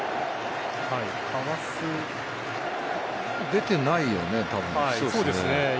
出てないよね、多分。